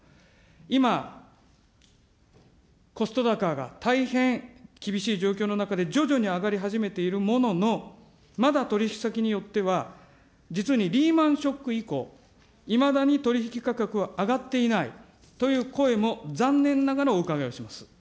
今、コスト高が大変厳しい状況の中で、徐々に上がり始めているものの、まだ取り引き先によっては、実にリーマンショック以降、いまだに取り引き価格は上がっていないという声も残念ながらお伺いをします。